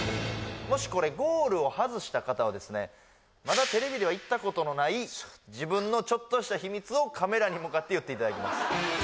もしこれゴールを外した方はですねまだテレビでは言ったことのない自分のちょっとした秘密をカメラに向かって言っていただきます